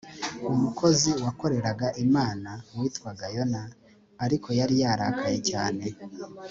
umukozi wakoreraga imana witwaga yona ariko yari yarakaye cyane